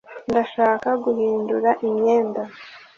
ndashaka guhindura imyenda